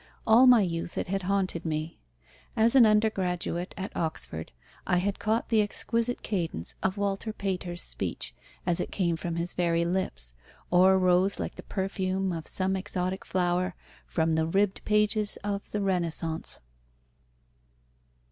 All my youth it had haunted me. As an undergraduate at Oxford I had caught the exquisite cadence of Walter Pater's speech, as it came from his very lips, or rose like the perfume of some exotic flower from the ribbed pages of the Renaissance.